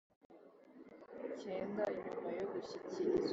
mu byo uvuga no mu byo ukora